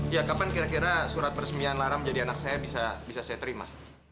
ya kapan kira kira surat peresmian lara menjadi anak saya bisa saya terima